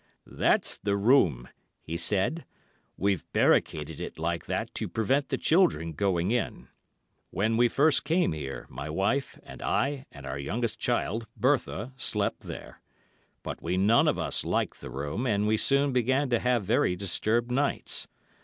"That's the room," he said; "we've barricaded it like that to prevent the children going in. When we first came here, my wife, and I, and our youngest child, Bertha, slept there. But we none of us liked the room, and we soon began to have very disturbed nights.